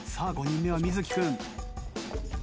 ５人目は瑞稀君。